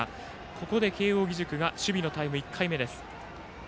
ここで慶応義塾が守備のタイム１回目です。